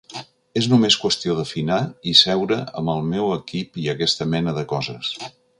És només qüestió d'afinar i seure amb el meu equip i aquesta mena de coses.